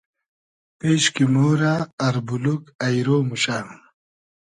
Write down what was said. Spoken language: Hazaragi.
پېش کی مۉرۂ اربولوگ اݷرۉ موشۂ